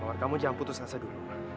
mawar jangan putus asa dulu